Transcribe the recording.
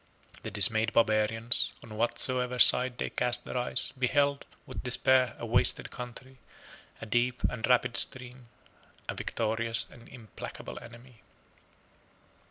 The dismayed barbarians, on whatsoever side they cast their eyes, beheld, with despair, a wasted country, a deep and rapid stream, a victorious and implacable enemy.